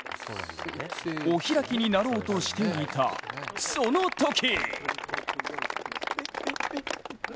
お開きになろうとしていた、そのとき！